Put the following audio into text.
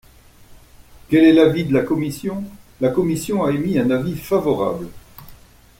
Quel est l’avis de la commission ? La commission a émis un avis favorable.